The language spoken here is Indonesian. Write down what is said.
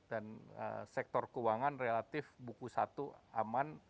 dan sektor keuangan relatif buku satu aman